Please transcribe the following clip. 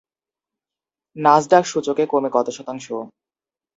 Nasdaq সূচক কমে কত শতাংশ?